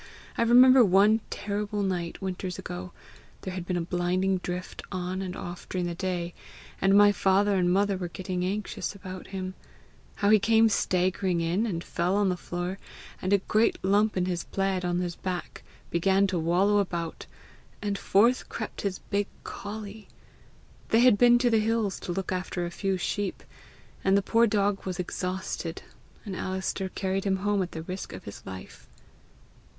I remember one terrible night, winters ago there had been a blinding drift on and off during the day, and my father and mother were getting anxious about him how he came staggering in, and fell on the floor, and a great lump in his plaid on his back began to wallow about, and forth crept his big colley! They had been to the hills to look after a few sheep, and the poor dog was exhausted, and Alister carried him home at the risk of his life."